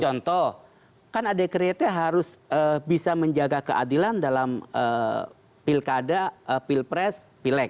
contoh kan adek kreate harus bisa menjaga keadilan dalam pilkada pilpres pileg